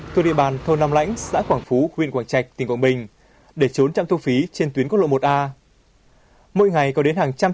từ địa bàn thôn năm lãnh xã quảng phú huyện quảng trạch tỉnh quảng bình để trốn chạm thu phí trên tuyến quốc lộ một a